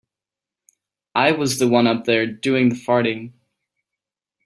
I was the one up there doing the farting.